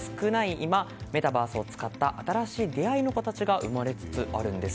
今メタバースを使った新しい出会いの形が生まれつつあるんです。